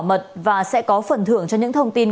mật và sẽ có phần thưởng cho những thông tin